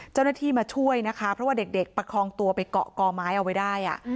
เจ้าหน้าที่มาช่วยนะคะเพราะว่าเด็กประคองตัวไปเกาะกอไม้เอาไว้ได้